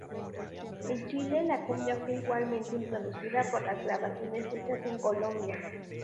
En Chile, la cumbia fue igualmente introducida por las grabaciones hechas en Colombia.